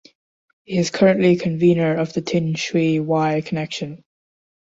He is currently convenor of the Tin Shui Wai Connection.